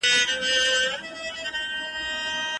ژوند مې د سندرو سکه ورو دی لمبې کوې